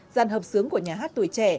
giàn hợp sướng của nhà hát tuổi trẻ